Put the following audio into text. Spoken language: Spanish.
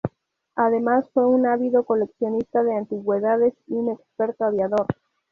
Además fue un ávido coleccionista de antigüedades y un experto aviador.